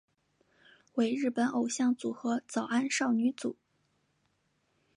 为日本偶像组合早安少女组。